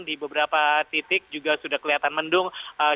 di beberapa titik juga sudah kelihatan mendung